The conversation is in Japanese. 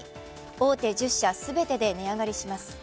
大手１０社全てで値上がりします。